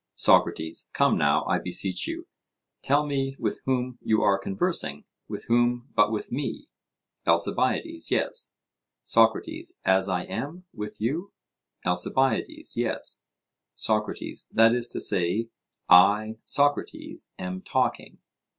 SOCRATES: Come, now, I beseech you, tell me with whom you are conversing? with whom but with me? ALCIBIADES: Yes. SOCRATES: As I am, with you? ALCIBIADES: Yes. SOCRATES: That is to say, I, Socrates, am talking?